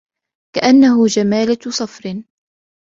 كأنه جمالت صفر